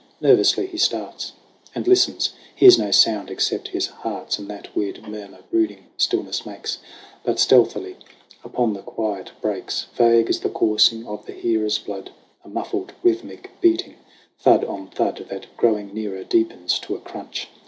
Nervously he starts And listens; hears no sound except his heart's And that weird murmur brooding stillness makes. But stealthily upon the quiet breaks Vague as the coursing of the hearer's blood A muffled, rhythmic beating, thud on thud, That, growing nearer, deepens to a crunch.